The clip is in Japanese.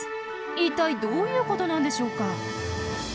一体どういうことなんでしょうか？